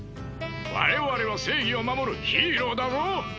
我々は正義を守るヒーローだぞ！